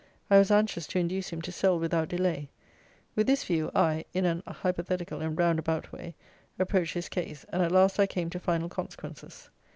I was anxious to induce him to sell without delay. With this view I, in an hypothetical and round about way, approached his case, and at last I came to final consequences.